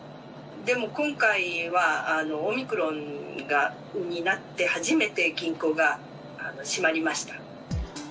でも今回は、オミクロンになって、初めて銀行が閉まりました。